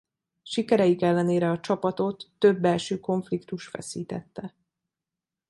Sikereik ellenére a csapatot több belső konfliktus feszítette.